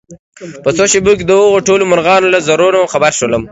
په څو شېبو کې دهغو ټولو مرغانو له زړونو خبر شوم